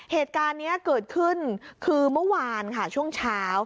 เหตุการณ์นี้เกิดขึ้นคือเมื่อวานค่ะช่วงเช้า